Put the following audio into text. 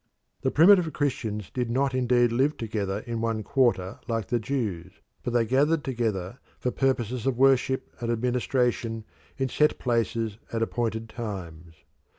The primitive Christians did not indeed live together in one quarter like the Jews, but they gathered together for purposes of worship and administration in set places at appointed times.